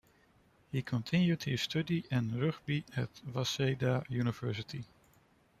He continued his study and rugby at Waseda University.